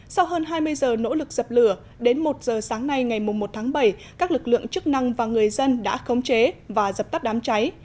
sau hơn hai mươi giờ nỗ lực dập lửa đến một giờ sáng nay ngày một tháng bảy các lực lượng chức năng và người dân đã khống chế và dập tắt đám cháy